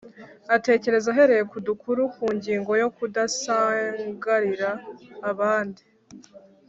atekereza ahereye ku dukuru ku ngingo yo kudasagarira abandi